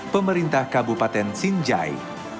pemerintah kabupaten sinjai